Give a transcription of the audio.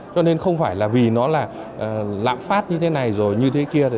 cho nên không phải là vì nó là lạm phát như thế này rồi như thế kia